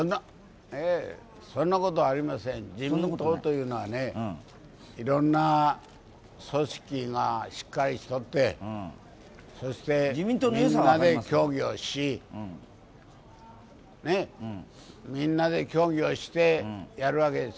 そんなことありません、自民党というのは、いろんな組織がしっかりしておって、そしてみんなで協議をしてやるわけです。